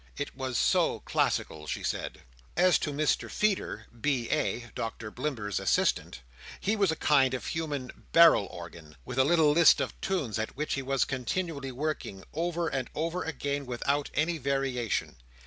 It was so classical, she said. As to Mr Feeder, B.A., Doctor Blimber's assistant, he was a kind of human barrel organ, with a little list of tunes at which he was continually working, over and over again, without any variation.